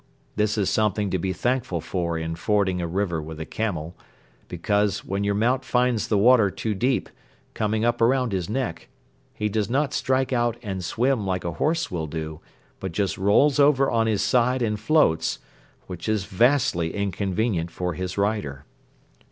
This is something to be thankful for in fording a river with a camel; because, when your mount finds the water too deep, coming up around his neck, he does not strike out and swim like a horse will do but just rolls over on his side and floats, which is vastly inconvenient for his rider.